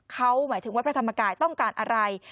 เขาหมายถึงวัดพระธรรมกายต้องการอะไร